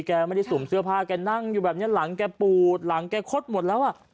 แกไม่ได้สวมเสื้อผ้าแกนั่งอยู่แบบนี้หลังแกปูดหลังแกคดหมดแล้วอ่ะ